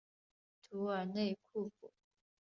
图尔内库普。